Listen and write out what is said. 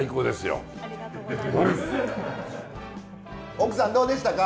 奥さんどうでしたか？